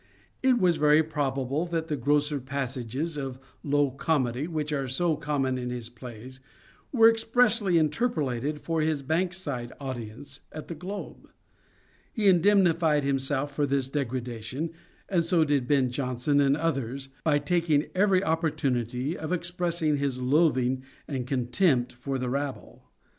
It is very probable that the grosser passages of low comedy which are so common in his plays were expressly interpolated for his Bankside audience at The Globe. He indemnified himself for this degradation, and so did Ben Jonson and others, by taking every opportunity of expressing his loathing and contempt for the rabble.